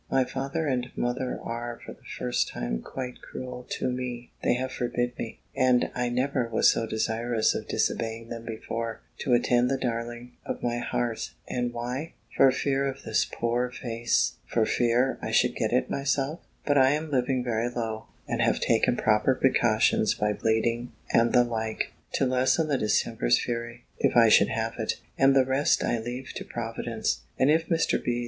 My father and mother are, for the first time, quite cruel to me; they have forbid me, and I never was so desirous of disobeying them before, to attend the darling of my heart: and why? For fear of this poor face! For fear I should get it myself! But I am living very low, and have taken proper precautions by bleeding, and the like, to lessen the distemper's fury, if I should have it; and the rest I leave to Providence. And if Mr. B.'